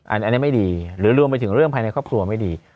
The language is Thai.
อันนี้ไม่ดีหรือรวมไปถึงเรื่องภายในครอบครัวไม่ดี